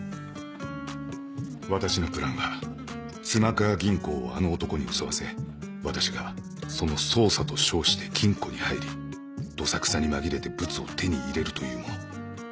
私のプランは妻川銀行をあの男に襲わせ私がその捜査と称して金庫に入りどさくさに紛れてブツを手に入れるというもの